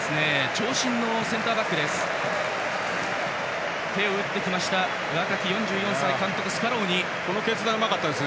長身のセンターバックです。